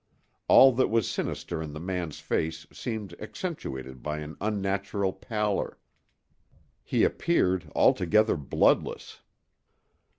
All that was sinister in the man's face seemed accentuated by an unnatural pallor—he appeared altogether bloodless.